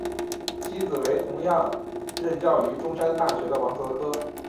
其子为同样任教于中山大学的王则柯。